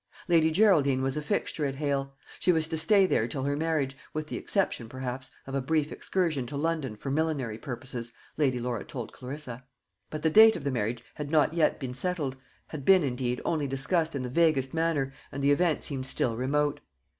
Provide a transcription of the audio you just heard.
Lady Geraldine was a fixture at Hale. She was to stay there till her marriage, with the exception, perhaps, of a brief excursion to London for millinery purposes, Lady Laura told Clarissa. But the date of the marriage had not yet been settled had been, indeed, only discussed in the vaguest manner, and the event seemed still remote.